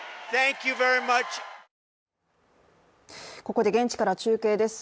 ここで現地から中継です。